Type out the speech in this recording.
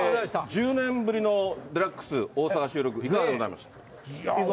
１０年ぶりのＤＸ、大阪収録、いかがでございましたか。